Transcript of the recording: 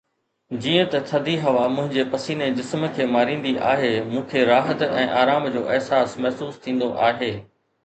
جيئن ته ٿڌي هوا منهنجي پسيني جسم کي ماريندي آهي، مون کي راحت ۽ آرام جو احساس محسوس ٿيندو آهي.